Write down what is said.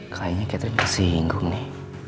kayaknya catherine masih hinggung nih